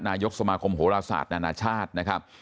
นายกสมาคมโหรศาสตร์นานาชาตินะครับ